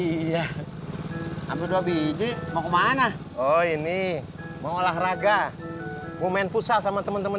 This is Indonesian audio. oh iya ambil dua biji mau kemana oh ini mau olahraga momen pusat sama temen temen